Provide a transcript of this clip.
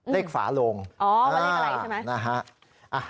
ฝาโลงอ๋อเลขอะไรใช่ไหมนะฮะ